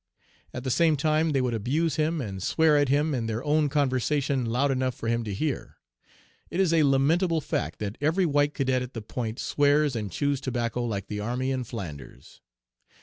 At the same time they would abuse him and swear at him in their own conversation loud enough for him to hear. It is a lamentable fact that every white cadet at the Point swears and chews tobacco like the army in Flanders.